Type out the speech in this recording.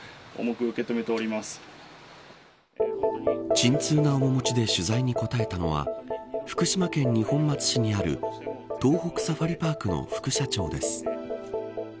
沈痛な面持ちで取材に答えたのは福島県二本松市にある東北サファリパークの副社長です。